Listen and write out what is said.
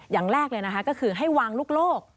อย่างแรกเลยนะคะก็คือให้วางลูกโลก